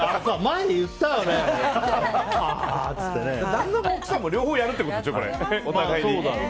旦那も奥さんも両方やるってことでしょ、お互いに。